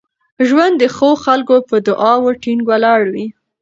ژوند د ښو خلکو په دعاوو ټینګ ولاړ وي.